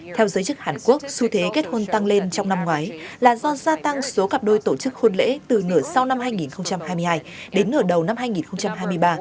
theo giới chức hàn quốc xu thế kết hôn tăng lên trong năm ngoái là do gia tăng số cặp đôi tổ chức hôn lễ từ nửa sau năm hai nghìn hai mươi hai đến nửa đầu năm hai nghìn hai mươi ba